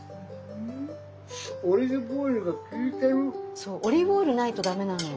そうオリーブオイルないとダメなの。